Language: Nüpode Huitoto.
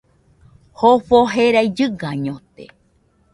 Jofo jerai llɨgaiñote